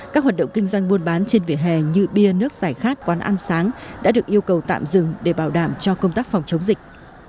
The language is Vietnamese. các hoạt động kinh doanh buôn bán trên vỉa hè như bia nước giải khát quán ăn sáng đã được yêu cầu tạm dừng để bảo đảm cho công tác phòng chống dịch